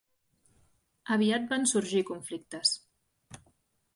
Aviat van sorgir conflictes.